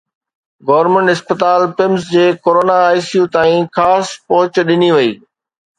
Government اسپتال PIMS جي corona ICU تائين خاص پهچ ڏني وئي.